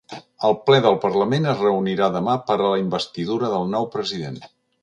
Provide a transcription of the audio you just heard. El ple del parlament es reunirà demà per a la investidura del nou president.